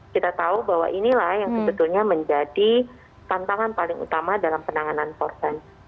kita tahu bahwa inilah yang sebetulnya menjadi tantangan paling utama dalam penanganan korban